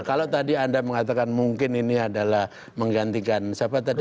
kalau tadi anda mengatakan mungkin ini adalah menggantikan siapa tadi